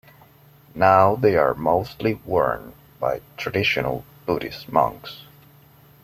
Now they are mostly worn by traditional Buddhist monks.